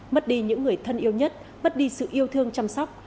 mất đi những người thân yêu nhất mất đi sự yêu thương chăm sóc